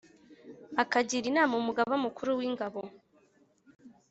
Akagira inama umugaba mukuru w ingabo